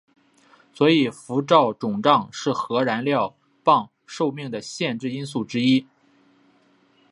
所以辐照肿胀是核燃料棒寿命的限制因素之一。